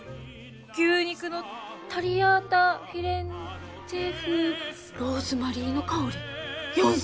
牛肉のタリアータフィレンツェ風ローズマリーの香り４，０００円！？